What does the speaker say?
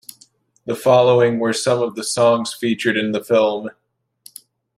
The following were some of the songs featured in the film.